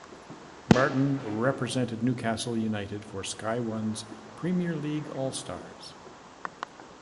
Barton represented Newcastle United for Sky One's "Premier League All Stars".